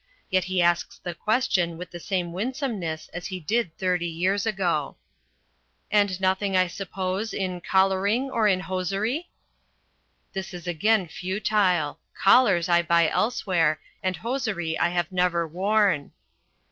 Yet he asks the question with the same winsomeness as he did thirty years ago. "And nothing, I suppose, in collaring or in hosiery?" This is again futile. Collars I buy elsewhere and hosiery I have never worn.